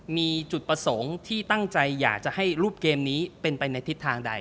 มีจุดประสงค์ที่ตั้งใจอยากจะให้รูปเกมนี้เป็นไปในทิศทางใด